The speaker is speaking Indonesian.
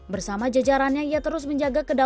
bersama jajarannya ia terus menjaga kedalaman